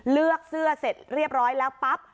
เลือกเสื้อเสร็จเรียบร้อยแล้วปั๊บ